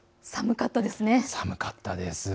寒かったですね。